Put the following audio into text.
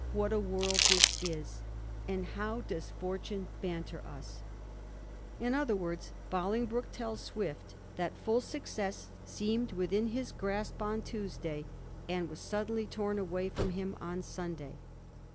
What a world this is, and how does fortune banter us !' In other words, Bolingbroke tells Swift that fiill success seemed within his grasp on Tuesday, and was suddenly torn away from him on Sunday.